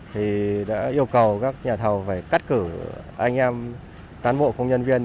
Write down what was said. thì đã yêu cầu các nhà thầu phải cắt cử anh em cán bộ công nhân viên